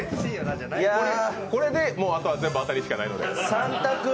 これで全部当たりしかないので。